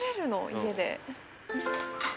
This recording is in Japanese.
家で？